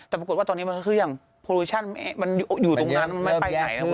แต่ปรากฏว่าตอนนี้มันก็คืออย่างโปรโมชั่นมันอยู่ตรงนั้นมันไม่ไปไหน